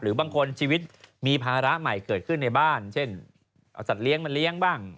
บางคนชีวิตมีภาระใหม่เกิดขึ้นในบ้านเช่นเอาสัตว์เลี้ยงมาเลี้ยงบ้าง